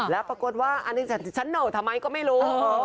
แล้วปรากฏว่าอันนี้ฉันโหทำไมก็ไม่รู้